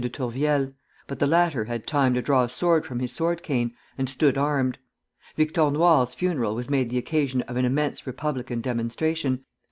de Tourvielle; but the latter had time to draw a sword from his sword cane, and stood armed. Victor Noir's funeral was made the occasion of an immense republican demonstration, and M.